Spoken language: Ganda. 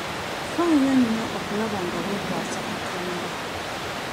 Ffaayo nnyo okulaba nga weekwasa katonda.